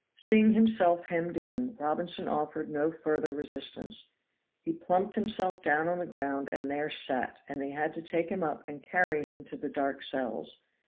Seeing himself hemmed in, Robinson offered no further resistance. He plumped himself down on the ground and there sat, and they had to take him up and carry him to the dark cells.